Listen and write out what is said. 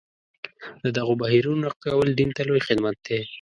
د دغو بهیرونو نقد کول دین ته لوی خدمت دی.